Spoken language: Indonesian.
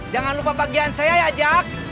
jangan lupa bagian saya ya jack